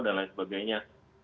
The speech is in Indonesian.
dan lain sebagainya